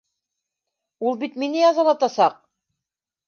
Ул бит мине яҙалатасаҡ!